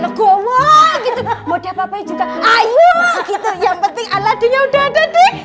legowo gitu mau diapa juga ayo yang penting alatnya udah